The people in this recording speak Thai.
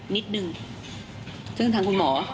นิดนึง